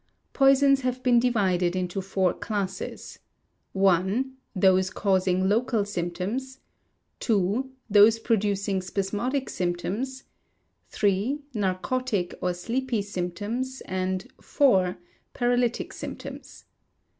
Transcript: Poisons have been divided into four classes: i. Those causing local symptoms. ii. Those producing spasmodic symptoms. iii. Narcotic or sleepy symptoms; and iv. Paralytic symptoms.